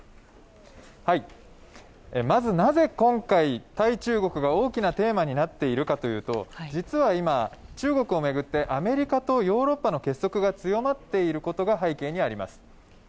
まず、なぜ今回、対中国が大きなテーマになっているかというと実は今、中国を巡ってアメリカとヨーロッパの結束が強まっていることが背景にあります。